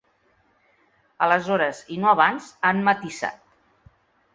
Aleshores i no abans, han matisat.